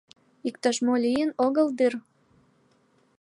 — Иктаж-мо лийын огыл дыр?